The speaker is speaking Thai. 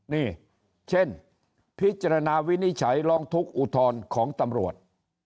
นี่เช่นพิจารณาวินิจฉัยร้องทุกข์อุทธรณ์ของตำรวจ